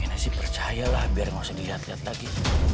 makanya sih percaya lah biar gak usah liat liat lagi